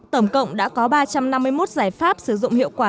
tổng cộng đã có ba trăm năm mươi một giải pháp sử dụng hiệu quả